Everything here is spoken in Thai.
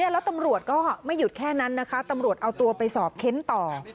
แล้วตำรวจก็ไม่หยุดแค่นั้นนะคะตำรวจเอาตัวไปสอบเค้นต่อ